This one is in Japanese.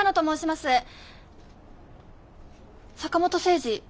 坂本征二。